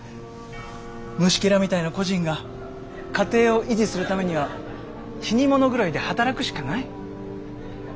虫けらみたいな個人が家庭を維持するためには死に物狂いで働くしかない。